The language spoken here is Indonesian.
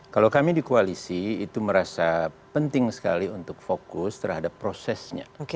kalau kami di koalisi itu merasa penting sekali untuk fokus terhadap prosesnya